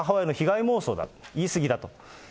これ母親の被害妄想だと、言い過ぎだと。